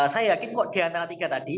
saya yakin kok diantara tiga tadi